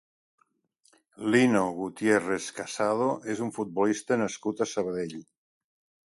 Lino Gutiérrez Casado és un futbolista nascut a Sabadell.